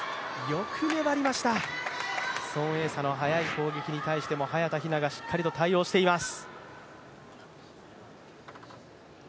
よく粘りました、孫エイ莎の速い攻撃に対しても早田ひながしっかりと対応しています。